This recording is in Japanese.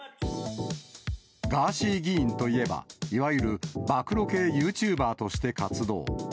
ガーシー議員といえば、いわゆる暴露系ユーチューバーとして活動。